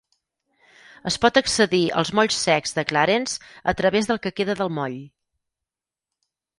Es pot accedir als molls secs de Clarence a través del que queda del moll.